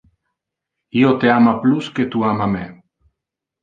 Io te ama plus que tu ama me.